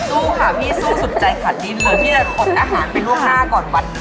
สู้ค่ะพี่สู้สุดใจขาดดินเลยพี่อดอาหารเป็นล่วงหน้าก่อนวัน